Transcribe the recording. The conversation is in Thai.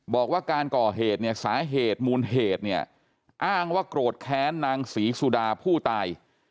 บอกว่าการก่อเหตุเนี่ยสาเหตุมูลเหตุเนี่ยอ้างว่าโกรธแค้นนางศรีสุดาผู้ตาย